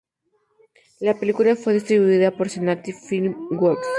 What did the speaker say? La película fue distribuida por Sentai Filmworks.